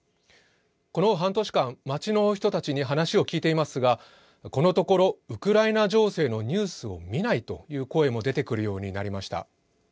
この半年間、街の人たちに話を聞いていますがこのところ、ウクライナ情勢のニュースを見ないという声も出てくるようになりました。